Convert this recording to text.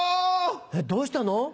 えっどうしたの？